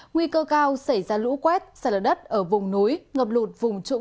nguy cơ cao xảy ra lũ quét xảy ra đất ở vùng núi ngập lụt vùng trùng